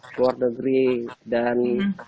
keluar negeri dan